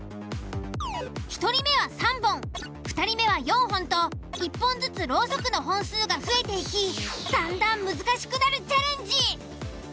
１人目は３本２人目は４本と１本ずつろうそくの本数が増えていきだんだん難しくなるチャレンジ。